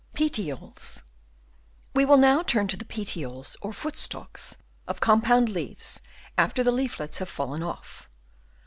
Petioles. — We will now turn to the petioles or foot stalks of compound leaves, after the leaflets have fallen off.